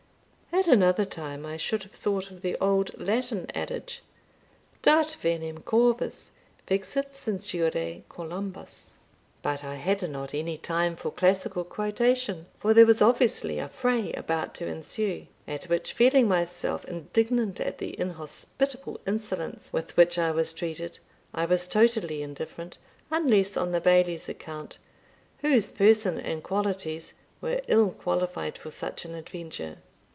At another time I should have thought of the old Latin adage, "Dat veniam corvis, vexat censure columbas" But I had not any time for classical quotation, for there was obviously a fray about to ensue, at which, feeling myself indiginant at the inhospitable insolence with which I was treated, I was totally indifferent, unless on the Bailie's account, whose person and qualities were ill qualified for such an adventure.